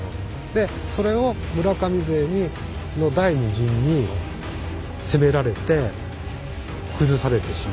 でそれを村上勢の第２陣に攻められて崩されてしまう。